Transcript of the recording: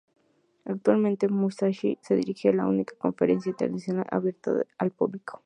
Actualmente "Musashi" se dirige a la única conferencia internacional abierta al público.